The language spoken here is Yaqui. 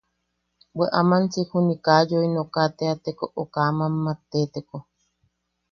Bwe aman siik juniʼi kaa yoi nooka teateko o kaa mammatteteko.